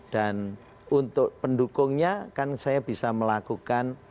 dan untuk pendukungnya kan saya bisa melakukan